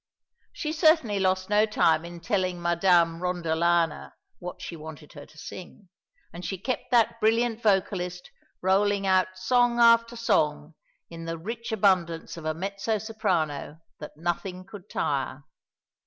She certainly lost no time in telling Madame Rondolana what she wanted her to sing, and she kept that brilliant vocalist rolling out song after song in the rich abundance of a mezzo soprano that nothing could tire.